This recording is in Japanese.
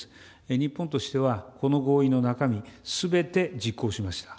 日本としては、この合意の中身すべて実行しました。